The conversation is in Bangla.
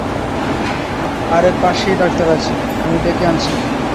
আরে পাশেই ডাক্তার আছে, আমি ডেকে আনছি।